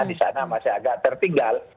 di sana masih agak tertinggal